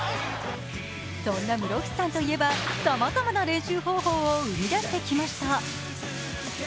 そんな室伏さんといえばさまざまな練習方法を生み出してきました。